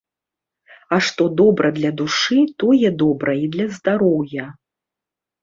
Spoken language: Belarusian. А што добра для душы, тое добра і для здароўя.